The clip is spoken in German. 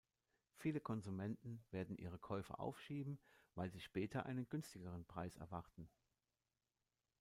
Viele Konsumenten werden ihre Käufe aufschieben, weil sie später einen günstigeren Preis erwarten.